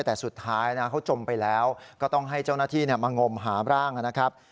แต่สุดท้ายนะเขาจมไปแล้วก็ต้องให้เจ้าหน้าที่มางมหาร่างนะครับ